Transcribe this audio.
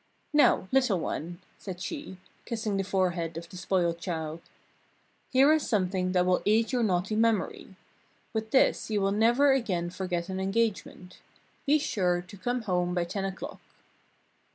"Now, little one," said she, kissing the forehead of the spoilt child, "here is something that will aid your naughty memory. With this you will never again forget an engagement. Be sure to come home by ten o'clock."